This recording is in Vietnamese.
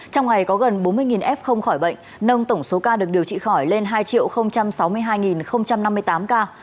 trong ngày có gần bốn mươi f không khỏi bệnh nâng tổng số ca được điều trị khỏi lên hai sáu mươi hai năm mươi tám ca